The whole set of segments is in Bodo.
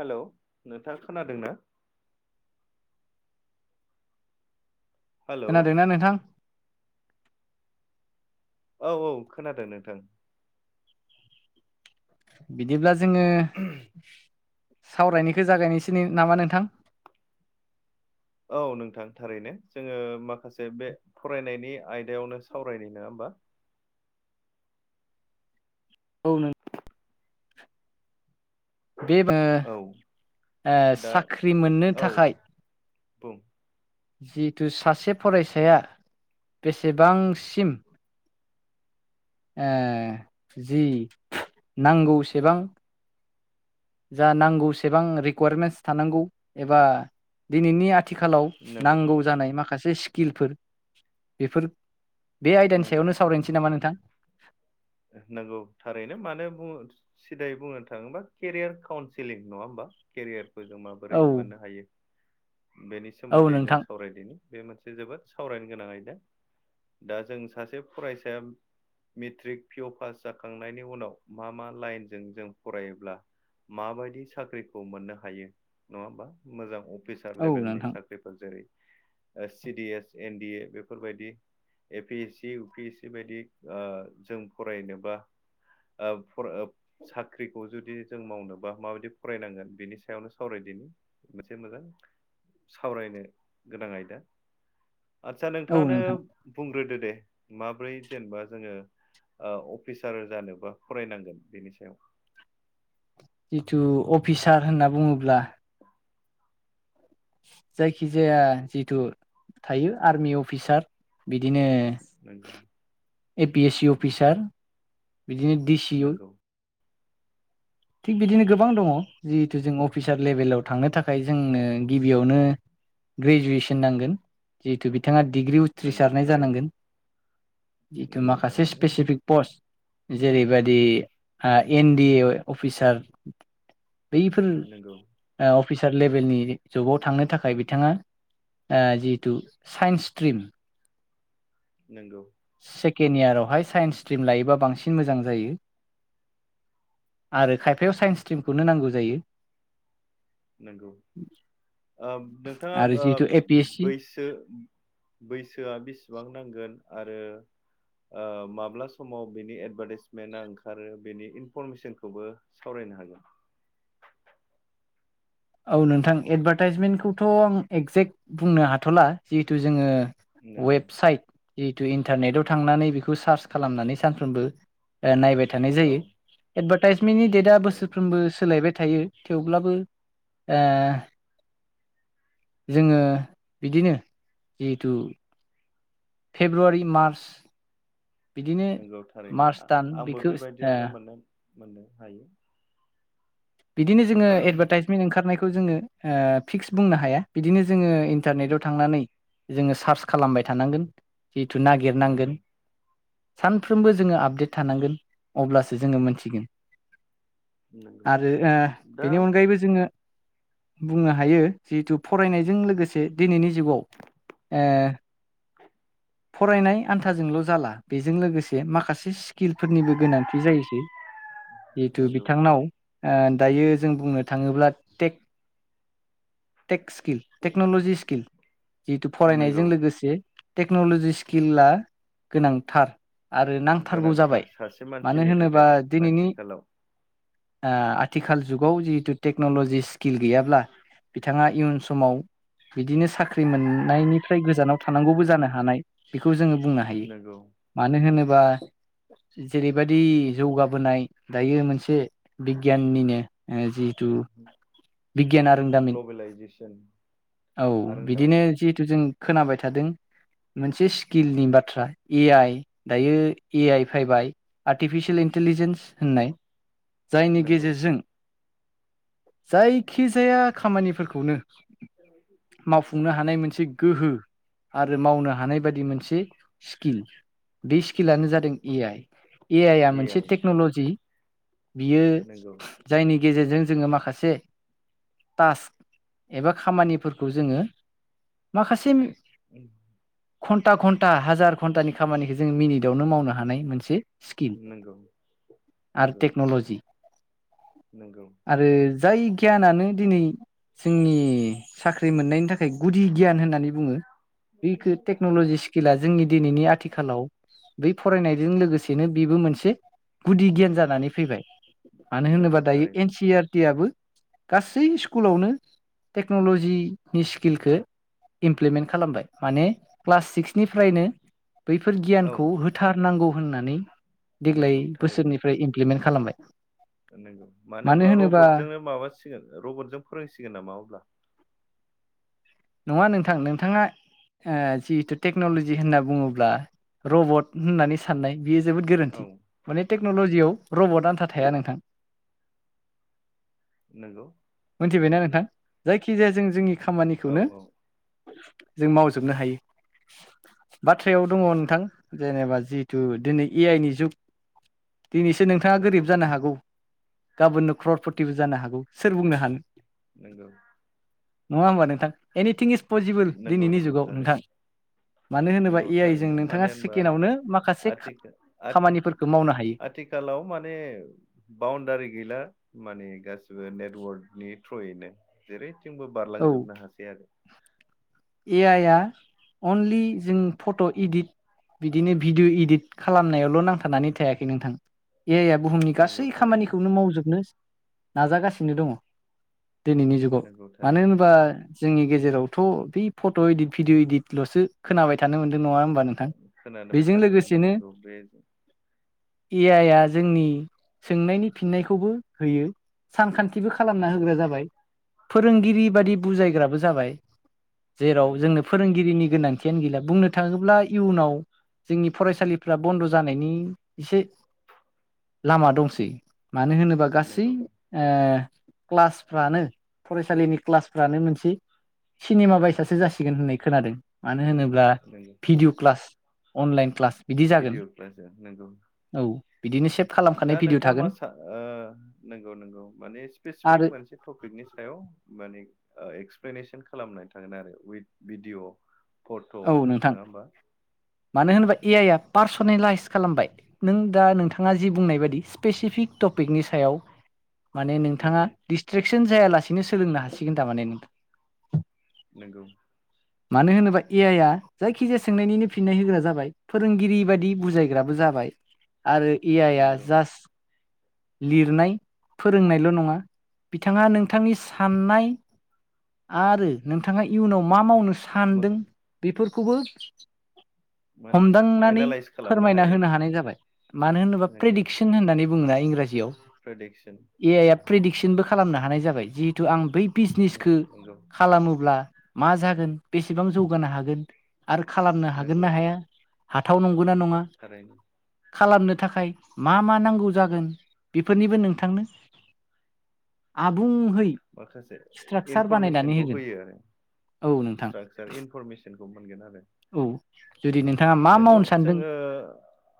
हेल' नोंथाङ खोनादों? हेलौ खोनादोंना नोंथां? औ औ खोनादों नोंथां। बिदिब्ला जोङो सावरायनायखौ जागायनोसै नामा नोंथां? औ नोंथां थारैनो जोङो माखासे बे फरायनायनि आयदायावनो सावरायनाय नङा होमबा? [inaudible] औ। बे औ दा साख्रि मोननो औ थाखाय बुं। जिहेथु सासे फरायसाया बेसेबांसिम जि नांगौसेबां जा नांगौसेबां रिकुवारमेन्टस थानांगौ एबा दिनैनि आथिखालाव नंगौ नांगौ जानाय माखासे स्किलफोर बेफोर बे आयदानि सायावनो सावरायनोसै नामा नोंथां। नांगौ थारैनो मानो बुङो सिदाय बुंनो थाङोबा केरियार काउन्सिलिं नङा होमबा केरेयार जों माबोरै औ मोननो हायो बेनि औ सोमोन्दै जों नोंथां सावरायनि बे मोनसे जोबोद सावरायनो गोनां आयदा जों सासे फरायसाया मेट्रिक पिअ पास जाखांनायनि उनाव मा मा लाइनजों जों फरायोब्ला माबायदि साख्रिखौ मोननो हायो नङा होमबा मोजां अफिसार औ लेभेलनि नोंथां साख्रिफोर जेरै C D S N D A बेफोरबायदि A P S C U P S C बायदि जों फरायनोबा ओब साख्रिखौ जुदि जों मावनो बा माबायदि फरायनांगोन बिनि सायावनो सावरायदिनि मोनसे मोजां। सावरायनो गोनां आयदा। आदसा औ नोंथाङानो नोंथां बुंग्रोदो दे माब्रै जेनेबा जोङो अफिसार जानोबा फरायनांगोन बेनि सायाव। जिथु अफिसार होनना बुङोब्ला। जायखिजाया जिथु थायो आर्मि अफिसार बिदिनो। नोंगौ A P S C officer बिदिनो डिसि नोंगौ थिग बिदिनो गोबां दङ जिहेतु जों अफिसार लेभेलाव थांनो थाखाय जोंनो गिबियावनो। ग्रेजुवेसन नांगोन जिहेतु बिथाङा डिग्रि नोंगौ उथ्रिसारनाय थारैनो जानांगोन जिथु नोंगौ माखासे थारैनो स्पेसिफिक पस्ट जेरैबायाददि N D A officer before नोंगौ अफिसार लेभेलनि जबाव थांनो थाखाय बिथाङा। जिहथु साइन्स स्ट्रिम नंगौ सेकेन्ड इयारावहाय साइन्स स्ट्रिम लायोबा बांसिन मोजां जायो। आरो खायफायाव साइन्स स्ट्रिमखौनो नांगौ जायो। नंगौ आरो नोंथाङा जिहेतु ए पि एस सि बैसो बैसोआ बेसेबां नांगोन आरो। माब्ला समाव बिनि एडभार्टाइसमेन्टआ ओंखारो बेनि इनफरमेसनखौबो सावराय हागोन। औ नोंथां एदभार्टाइसमेन्टखौथ' आं एगजेक्ट बुंनो हाथ'ला जिहेथु जोङो नोंगौ वेबसाइट जिहेतु इन्टारनेटव थांनानै बेखौ सार्च खालामनानै सानफ्रोमबो नायबाय। थानाय औ जायो एडभार्टाइजमेन्टनि नोंगौ डेटआ थारैनो बोसोरफ्रोमबो सोलायबाय थायो थेवब्लाबो - ए जोङो बिदिनो जिहेथु फेब्रुवारि मार्च बिदिनो नोंगौ थारैनो मार्च दान आंबो बेखौ ओ बेबायदियावनो मोन मोननो हायो। बिदिनो जोङो एडभार्टाइजमेन्ट ओंखारनायखौ जोङो फिक्स बुंनो हाया बिदिनो। जोङो इन्टारनेटआव थांनानै जोङो सार्च खालामबाय थानांगोन। जिहेथु नंगौ नागिरनांगोन सानफ्रोमबो जोङो आपडेट थानांगोन अब्लासो जोङो मोनथिगोन। नंगौ आरो दा बेनि अनगायैबो जोङो बुंनो हायो जिहेतु फरायनायजों लोगोसे दिनैनि जुगाव ए फरायनाय आन्थाजोंल' जाला बेजों लोगोसे माखासे स्किलफोरनिबो गोनांथि जायोसै जिहेतु नंगौ बिथांनाव। दायो जों बुंनो थाङोब्ला टेक स्किल टेक्न'लजि स्किल जिहेतु नंगौ फरायनायजों लोगोसे टेक्न'लजि स्किलाआ गोनांथार। आरो नांथारगौ गोनांथार जाबाय सासे मानो मानसिनि होनोबा थाखाय दिनैनि आथिखालाव आथिखाल जुगाव जिहेतु टेक्न'लजि स्किल गैयाब्ला बिथाङा इयुन समाव बिदिनो साख्रि मोननायनिफ्राय गोजानाव थानांगौबो जानो हानाय बेखौ जोङो बुंनो हायो नंगौ मानो होनोबा जेरैबायदि जौगाबोनाय दायो मोनसे बिगियाननिनो ओ जिहेथु बिगियान आरोंदामिन ग्लबेलाइजेसन औ बिदिनो आरोंदामिन जिहेतु जों खोनाबाय थादों। मोनसे स्किलनि बाथ्रा ए आइ दायो ए आइ फैबाय आर्टिफिसियेल इन इन्टेलिजेन्स होननाय [inaudible] जायनि नंगौ गेजेरजों जायखिजाया खामानिफोरखौनो मावफुंनो हानाय मोनसे गोहो आ [unintelligible] रो मावनो हानाय बायदि मोनसे स्किल बेस खिलानो जादों ए आइ ए आइ आ मोनसे टेक्न'ल'जि बियो नंगौ जायनि गेजेरजों जोङो माखासे टास्क एबा खामानिफोरखौ जोङो माखासे म [unintelligible] [unintelligible] घन्टा घन्टा हाजार घन्टानि खामानिखो जों मिनिदावनो मावनो हानाय मोनसे स्किल नंगौ आरो नंगौ टेक्न'ल'जि नंगौ आरो जाय गियाना नों दिनै जोंनि साख्रि मोननायनि थाखाय गुदि गियान होननानै बुङो। बेखो टेक्न'लजि स्किला जोंनि दिनैनि आथिखालाव बै फरायनायजों लोगोसेनो बिबो मोनसे गुदि गियान जानानै फैबाय मानो होनोबा नंगौ दायो थारैनो एन सि आर टि आबो गासै स्कुलावनो टेक्न'लजिनि स्किलखो इमप्लिमेन्ट खालामबाय माने क्लास सिक्सनिफ्रायनो बैफोर औ गियानखौ होथारनांगौ होननानै नंगौ देग्लाय थारैनो बोसोरनिफ्राय इमप्लिमेन्ट खालामबाय नंगौ मानो होमबा रबतजोंनो माबासिगोन रबटजों फोरोंसिगोन नामा अब्ला नङा नोंथां नोंथाङा आ जिहेथु टेक्न'लजि होनना बुङोब्ला रबट होननानै साननाय बियो जोबोद औ गोरोन्थि माने टेक्न'लजियाव रबट आन्था थाया नोंथां नंगौ बेबो नोंगौ खिजाया जों जोंनि खामानिखौनो जों मावजोबनो हायो। बाथ्रायाव दङ' नोंथां जेनेबा जिहेथु दोनै ए आइ नि जुग दिनैसो नोंथाङा गोरिब नंगौ जानो हागौ गाबोननो ख्रर फथिबो जानो हागौ सोर बुंनो हानो नोंगौ नङा होमबा नोंथां एनिथिं इस पजिबोल नंगौ दिनैनि नंगौ जुगाव थारैनो नोंथां मानो होनोबा नंगौ ए आइ जों थारैनो मानो नोंथाङा होनबा सेकेण्डआवनो माखासे खा खामानिफोरखौ मावनो हायो। थिखालाव माने बाउणडारि गैला माने गास ओ नेटवर्कनि थ्रयैनो जेरैथिंबो औ बारलांजोबनो हासै आरो ए आइआ अनलि जों फ'ट' इडिट बिदिनो भिडअ' इडिट खालामनायावल' नांथानानै थायाखै नोंथां ए आइ आ बुहुमनि नंगौ गासै थारैनो खामानिखौनो मावजोबनो नाजागासिनो दङ' दोनैनि जुगाव नंगौ मानो थारैनो होनबा जोंनि गेजेरावथ' बे फट' इदित भिडिअ इदितल'सो खोनाबाय थानो मोनद खोनालायबाय थानो मोनदों नोंगौ बे ए आइ आ जोंनि सोंनायनि फिननायखौबो होयो सानखान्थि [unintelligible] बो खालामना नंगौ होग्रा जाबाय फोरोंगिरि नंगौ बादि बुजायग्राबो जाबाय। जेराव नंगौ जोंनो फोरोंगिरिनि गोनां थियानो गैला बुंनो थाङोब्ला इयुनाव जोंनि फरायसालिफ्रा बन्द' जानायनि एसे लामा दंसै मानो होनोबा गासै नंगौ ओ क्लासफ्रानो फरायसालिनि क्लासफ्रानो मोनसे सिनेमा बायसासो जासिगोन होननाय खोनादों मानो होनोब ब्ला नंगौ भिडिअ' क्लास अनलाइन क्लास बिदि जागोन भिडिअ क्लास नंगौ औ बिदिनो सेफ दा नोंथांङा मा सा ओ नोंगौ नोंगौ माने स्पेसिफिक आरो मोनसे थपिकनि सायाव माने ओ एक्सप्लेनेसन खालामनाय थागोन आरो उइथ भिडिअ' फट' औ नोंथां नोंङा होमबा? मानो होनबा ए आइ आ पार्सनेलाइस खालामबाय नों दा नोंथांङा जि बुंनाय बादि स्पेसिफिक टपिकनि सायाव माने नोंथांङा नंगौ डिसट्रेकसोन जायालासिनो सोलोंनो हासिगोन टारमाने नोंथां नोंगौ। मानो होनोबा। ए आइ आ जायखि जाया सोंनायनिनो फिननाय होग्रा जाबाय फोरोंगिरि बादि बुजायग्राबो जाबाय। आरो ए आइआ नंगौ जास्ट लिरनाय फोरोंनायल' नंङा। बिथांङा नोंथांनि साननाय आरो नोंथांङा इयुनाव मा मावनो। मो सानदों बेफोरखौबो। माने हमदांनानै एनालाइस खालामनो फोरमायना हायो होनो हानाय जाबाय मानो होनोबा प्रेडिक्सन होन्नानै बु। बुंङोना इंराजियाव प्रेडिक्सन। प्रेदिक्सनबो खालामनो हानाय जाबाय जिहेतु आं बै बिजनेसखौ नंगौ खालामोब्ला। मा जागोन बेसेबां जौगानो हागोन आरो खालामनो हागोन ना नंगौ हाया हाथाव नं नंगौ ना नंङा। थारैनो खालामनो थाखाय मा मा नांगौ जागोन बेफोरनिबो नोंथांनो। आबुं। माखासे इनफरमेसनखौ होगोन होयो आरो औ नोंथां स्ट्राकसार इनफरमेसन खौ मोनगोन आरो। औ। जुदि नोंथाङा मा नोंगौ मावनो सानदों जोंङो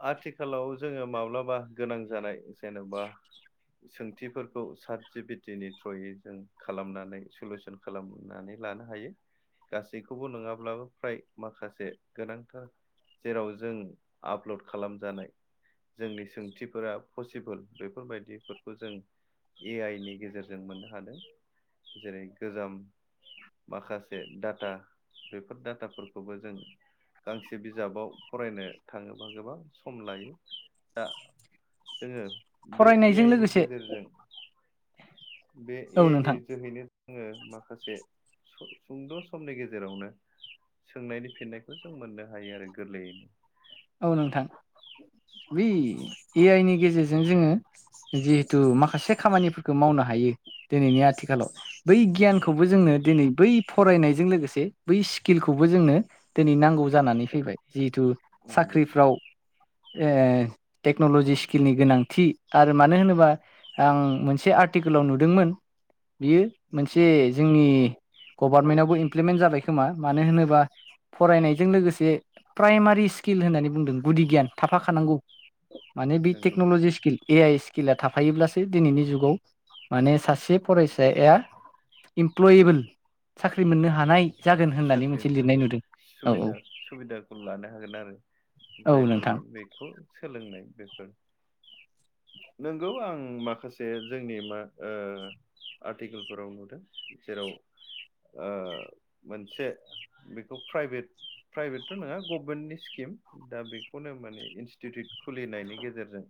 आथिखालाव जोंङो माब्लाबा गोनां जानाय। जेनेबा सों सोंंथिफोरखौ सातजिबितनि थ्रयै जों खालामनानै सुलुसन खालामनानै लानो हायो। गासैखौबो नंङाब्लाबो फ्राय माखासे गोनांथार जेराव जों आपल'ड खालामजानाय जोंनि सोंथिफोरा पसिबोल बेफोरबायदिफोरखौ जों। ए आइ नि गेजेरजों मोननो हादों जेरै गोजाम। माखासे डाटा बेफोर डाटाफोरखौबो जों गांसे बिजाबाव फरायनो थांङोबा गोबां सम लायो दा जोंङो। बे ए फरायनायजों आइ नि लोगोसे गेजेरजों। बे ए औ आइनि नोंथां जोहैनो। आंङो माखासे सुंद' समनि गेजेरावनो सोंनायनि फिननायखौ जों मोननो हायो आरो गोरलैयैनो। औ नोंथां। बै ए आइ नि गेजेरजों जोंङो जिहेथु माखासे खामानिफोरखौ मावनो हा। हायो दिनैनि आथिखालाव बै गियानखौबो जोंनो नंगौ दिनै बै फरायनायजों लोगोसे बै स्किलखौबो जोंनो दिनै नांगौ जानानै फैबाय जिहेथु नंगौ साख्रिफ्राव ए टेक्न'लजि स्किलनि गोनांथि आरो मानो होनोबा आं मोनसे आर्टिकोलाव नुदोंमोन बियो मोनसे नंगौ जोंनि गभारनमेन्टआवबो इमप्लिमेन्ट जाबाय खोमा मानो होनोबा फरायनायजों लोगोसे प्राइमारि सि स्किल होननानै बुंदों गुदि गियान थाफाखानांगौ माने बे नंगौ टेक्न'लजि स्किल ए आइ स्कि सिकिला थाफायोब्लासो दिनैनि जुगाव माने सासे फरायसाया इमप्लयेबोल साख्रि मोननो हानाय जागोन होननानै साख्रि मोनसे लिरनाय नोंगौ नुदों औ सुबिदा सुबिदाखौ लानो हागोन आरो। औ नोंथां जायफोरमोन बेखौ सोलोंनाय बेफोर। नोंगौ आं माखासे जोंनि मा ओ आर्टिकेलफोराव नुदों जेराव ओ मोनसे बिखौ प्राइभेट प्राइभेटथ' नङा गभमेन्टनि स्किम दा बिखौनो माने इनस्टिटिउट खुलिनायनि गेजेरजों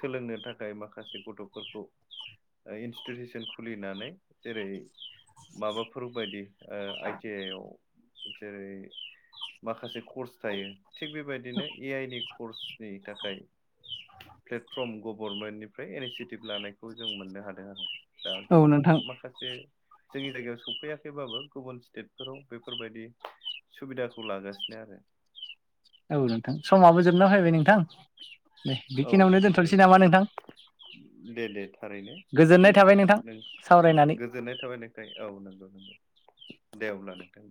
सोलोंनो थाखाय माखासे गथ'फोरखौ इन्स्टिटिउसन खुलिनानै जेरै माबाफोरबायदि ओ आइटि आइवाल जेरै माखासे कर्स थायो थिग बेबायदिनो ए आइ नि कर्सनि थाखाय प्लेटफर्म गभर्नमेन्टनिफ्राय इनिसियेटिभ लानायखौ जों मोननो हादों आरो। दा औ गोबां नोंथां माखासे जोंनि जायगायाव सफैयाखैबाबो गुबुन स्टेट फोराव बेफोरबायदि सुबिदाखौ लागासिनो आरो। औ नोंथां समाबो जोबना फैबाय नोंथां दे औ बिखिनियावनो दोनथ'नोसै थारैनो नामा नोंथां? दे दे थारैनो गोजोननाय फिन थाबाय नोंथां नों सावरायनानै गोजोननाय थाबाय नोंखाय औ नों दे अब्ला नोंथां।